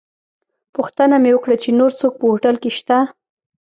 پوښتنه مې وکړه چې نور څوک په هوټل کې شته.